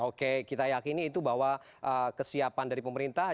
oke kita yakini itu bahwa kesiapan dari pemerintah